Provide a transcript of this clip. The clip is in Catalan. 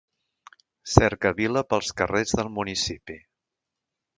Cercavila pels carrers del municipi.